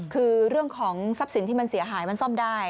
คือเรื่องของทรัพย์สินที่มันเสียหายมันซ่อมได้